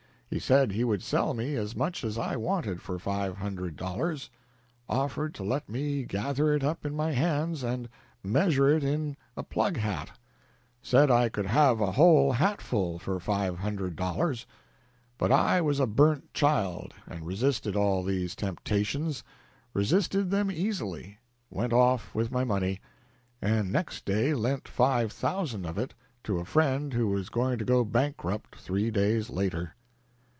He said he would sell me as much as I wanted for five hundred dollars; offered to let me gather it up in my hands and measure it in a plug hat; said I could have a whole hatful for five hundred dollars. But I was a burnt child, and resisted all these temptations resisted them easily; went off with my money, and next day lent five thousand of it to a friend who was going to go bankrupt three days later."